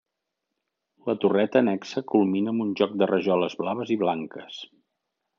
La torreta annexa culmina amb un joc de rajoles blaves i blanques.